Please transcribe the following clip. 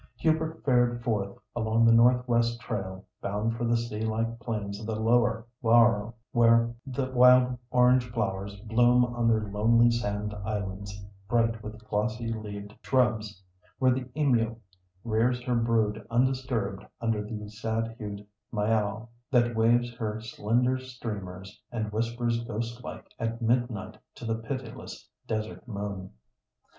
Hubert fared forth along the north west trail, bound for the sea like plains of the Lower Warroo, where the wild orange flowers bloom on their lonely sand islands, bright with glossy leaved shrubs; where the emu rears her brood undisturbed under the sad hued myall, that waves her slender streamers and whispers ghost like at midnight to the pitiless desert moon.